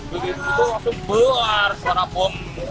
begitu itu langsung keluar suara bom